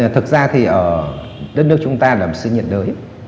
thực ra thì đất nước chúng ta là một sự nhiệt đới